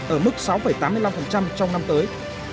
ở mức sáu tám mươi năm trong năm tới